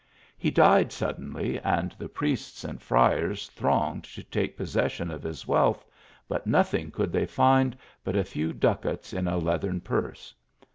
He died suddenly, and the priests and friars thronged to take possession of his wealth, but nothing could they find but a few ducats in a leathern purse.